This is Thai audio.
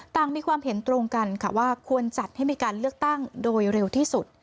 ต่างมีความเห็นตรงกันค่ะว่าควรจัดให้มีการเลือกตั้งโดยเร็วที่สุด